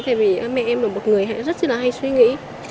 tại vì mẹ em là một người rất là hay suy nghĩ